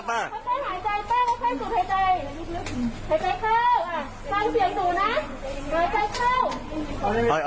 ป้าหายใจป้าเขาให้สุดหายใจ